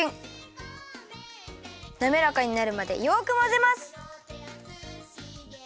なめらかになるまでよくまぜます！